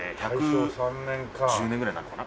１１０年ぐらいになるのかな？